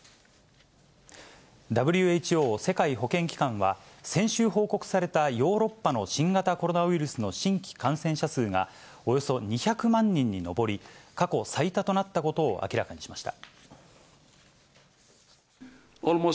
ＷＨＯ・世界保健機関は、先週報告されたヨーロッパの新型コロナウイルスの新規感染者数が、およそ２００万人に上り、過去最多となったことを明らかにしました。